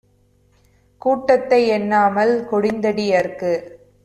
கூட்டத்தை எண்ணாமல், கொடுந்தடி யர்க்கு